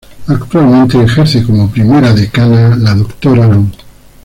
Actualmente ejerce como primera decana la Dra.